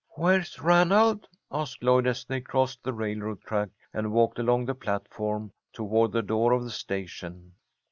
"Where's Ranald?" asked Lloyd, as they crossed the railroad track and walked along the platform toward the door of the station.